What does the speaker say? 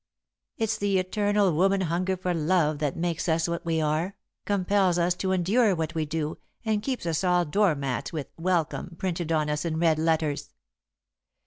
"It's the eternal woman hunger for love that makes us what we are, compels us to endure what we do, and keeps us all door mats with 'Welcome' printed on us in red letters.